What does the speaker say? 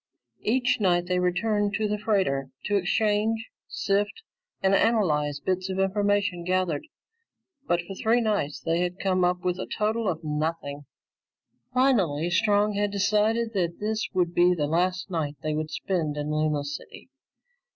Each night they returned to the freighter to exchange, sift, and analyze the bits of information gathered, but for three nights they had come up with a total of nothing. Finally, Strong had decided that this would be the last night they would spend in Luna City.